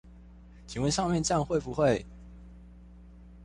請問上面這樣會不會